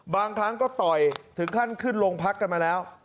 บางครั้งก็ต่อยถึงขั้นขึ้นโรงพักกันมาแล้ว